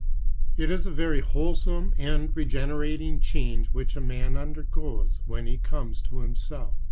I It is a very wholesome and regenerating change which a man undergoes when he "comes to himself."